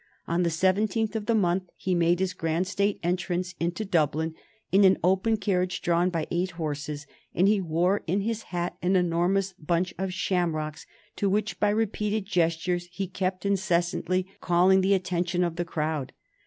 On the 17th of the month he made his grand state entrance into Dublin in an open carriage drawn by eight horses, and he wore in his hat an enormous bunch of shamrocks, to which, by repeated gestures, he kept incessantly calling the attention of the crowd.